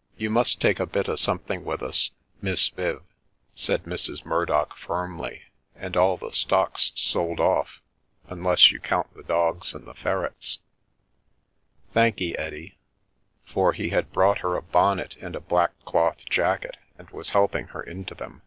" You must take a bit o' something with us, Miss Viv," said Mrs. Murdock firmly, " and all the stock's sold off, unless you count the dogs and the ferrets. Thankee, Eddie "— for he had brought her a bonnet and a black cloth jacket, and was helping her into them.